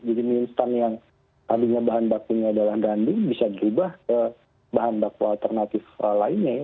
jadi menurut saya yang adanya bahan bakunya dalam gandum bisa diubah ke bahan baku alternatif lainnya ya